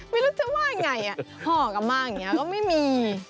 ไม่รู้จะว่ายังไงห่อกลับมาอย่างนี้ก็ไม่มี